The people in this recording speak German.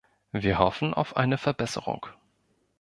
Wir hoffen auf eine Verbesserung.